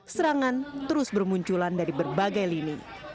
serangan terus bermunculan dari berbagai lini